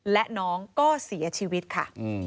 และน้องก็เสียชีวิตค่ะ